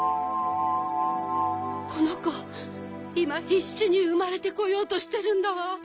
このこいまひっしにうまれてこようとしてるんだわ。